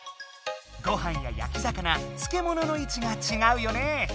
ごはんややき魚つけものの位置がちがうよね！